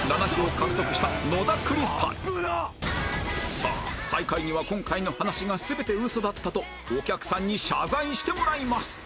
さあ最下位には今回の話が全て嘘だったとお客さんに謝罪してもらいます